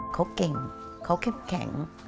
เขาเก่งเขาแข็ง